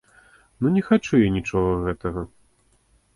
Ну, не хачу я нічога гэтага.